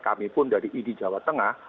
kami pun dari idi jawa tengah